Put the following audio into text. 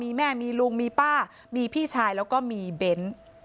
มีแม่มีลุงมีป้ามีพี่ชายแล้วก็มีเบ้น